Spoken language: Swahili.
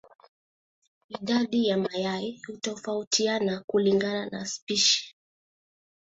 Idadi ya mayai hutofautiana kulingana na spishi.